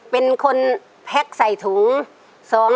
เป็นคนแพ็คใส่ถุง